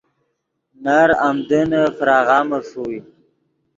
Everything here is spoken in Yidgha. نر آمدنّے فراغامے ݰوئے